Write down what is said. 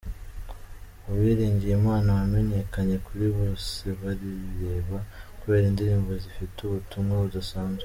Uwiringiyimana wamenyekanye kuri ‘Bosebabireba’ kubera indirimbo zifite ubutumwa budasanzwe.